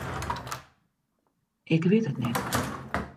Ik wit it net.